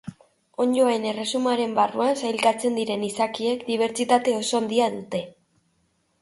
Onddoen erresumaren barruan sailkatzen diren izakiek dibertsitate oso handia dute.